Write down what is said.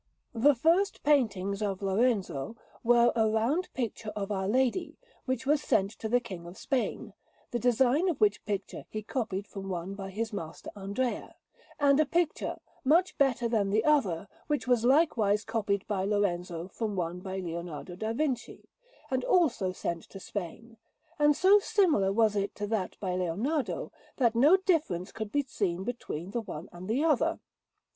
The first paintings of Lorenzo were a round picture of Our Lady, which was sent to the King of Spain (the design of which picture he copied from one by his master Andrea), and a picture, much better than the other, which was likewise copied by Lorenzo from one by Leonardo da Vinci, and also sent to Spain; and so similar was it to that by Leonardo, that no difference could be seen between the one and the other.